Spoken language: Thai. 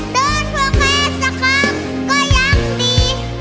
เดินทั่วแค่สักครั้งก็ยังดี